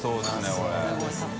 これ。